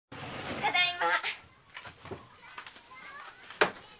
ただいま。